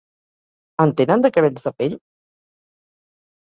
En tenen, de cabells de pell?